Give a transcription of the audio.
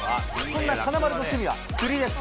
そんな金丸の趣味は釣りです。